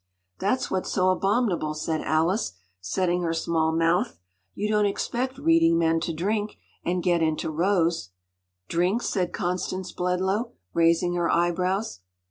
“That’s what’s so abominable,” said Alice, setting her small mouth. “You don’t expect reading men to drink, and get into rows.” “Drink?” said Constance Bledlow, raising her eyebrows.